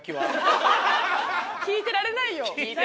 聴いてられないよ。